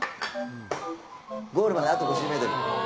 「ゴールまであと５０ｍ！」